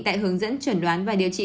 tại hướng dẫn chuẩn đoán và điều trị